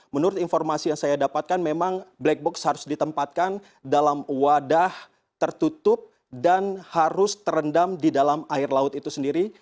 menurut informasi yang saya dapatkan memang black box harus ditempatkan dalam wadah tertutup dan harus terendam di dalam air laut itu sendiri